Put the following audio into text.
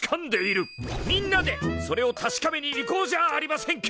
みんなでそれを確かめに行こうじゃありませんか！